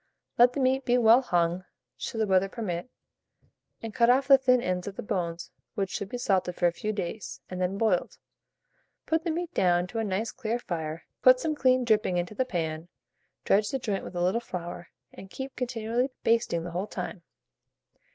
Let the meat be well hung (should the weather permit), and cut off the thin ends of the bones, which should be salted for a few days, and then boiled. Put the meat down to a nice clear fire, put some clean dripping into the pan, dredge the joint with a little flour, and keep continually basting the whole time.